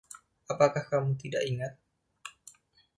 Apakah kamu tidak ingat?